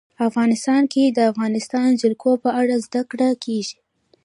افغانستان کې د د افغانستان جلکو په اړه زده کړه کېږي.